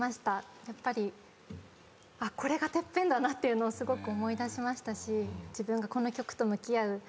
やっぱりこれが『ＴＥＰＰＥＮ』だなってすごく思い出しましたし自分がこの曲と向き合う。